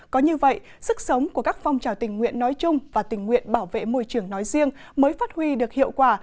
có như vậy sức sống của các phong trào tình nguyện nói chung và tình nguyện bảo vệ môi trường nói riêng mới phát huy được hiệu quả